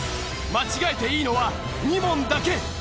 間違えていいのは２問だけ！